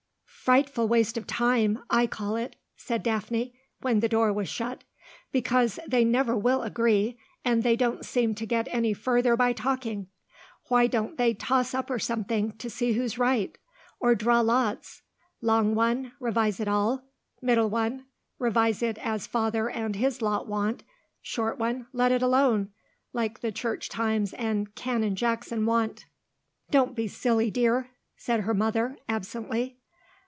"Frightful waste of time, I call it," said Daphne, when the door was shut. "Because they never will agree, and they don't seem to get any further by talking. Why don't they toss up or something, to see who's right? Or draw lots. Long one, revise it all, middle one, revise it as father and his lot want, short one, let it alone, like the Church Times and Canon Jackson want." "Don't be silly, dear," said her mother, absently.